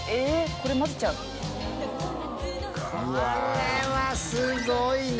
これはすごいな！